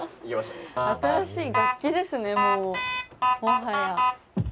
よし。